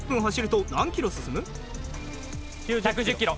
１１０キロ。